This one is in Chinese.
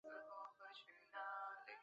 作品全由集英社发行。